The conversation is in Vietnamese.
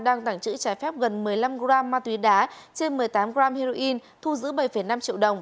đang tảng trữ trái phép gần một mươi năm g ma túy đá trên một mươi tám g heroin thu giữ bảy năm triệu đồng